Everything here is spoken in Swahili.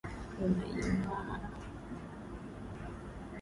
Anainua mawe.